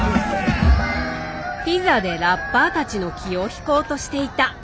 ピザでラッパーたちの気を引こうとしていた。